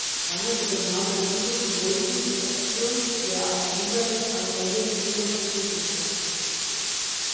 Damit übernahm Luise von Wulffen die Erziehung, zu der Elisabeth eine enge Bindung entwickelte.